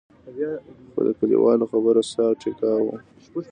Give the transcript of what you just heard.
خو د کلیوالو خبره ساه او ټیکا وم.